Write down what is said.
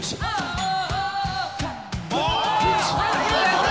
これ。